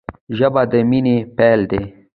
ژبه د مینې پیل دی